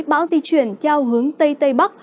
bão di chuyển theo hướng tây tây bắc